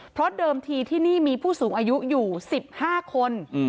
เพราะเดิมทีที่นี่มีผู้สูงอายุอยู่๑๕คน